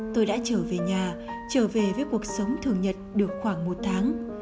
tôi đã trở về nhà trở về với cuộc sống thường nhật được khoảng một tháng